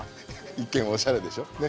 一見おしゃれでしょ？ね。